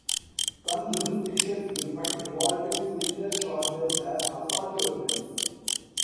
Some jurisdictions define revolving cylinder shotguns as assault weapons.